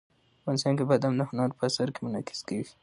افغانستان کې بادام د هنر په اثار کې منعکس کېږي.